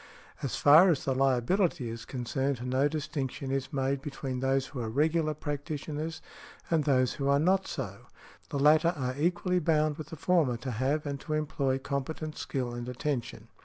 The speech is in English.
As far as the liability is concerned, no distinction is made |163| between those who are regular practitioners and those who are not so; the latter are equally bound with the former to have and to employ competent skill and attention.